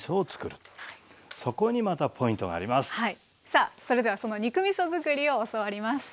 さあそれではその肉みそ作りを教わります。